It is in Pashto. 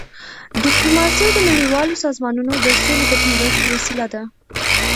ډيپلوماسي د نړیوالو سازمانونو د سولي د ټینګښت وسیله ده.